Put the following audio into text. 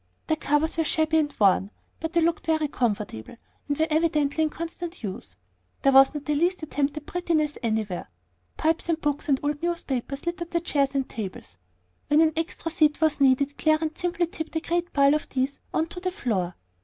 Their covers were shabby and worn; but they looked comfortable, and were evidently in constant use. There was not the least attempt at prettiness anywhere. Pipes and books and old newspapers littered the chairs and tables; when an extra seat was needed Clarence simply tipped a great pile of these on to the floor.